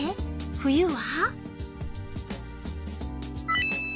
冬は？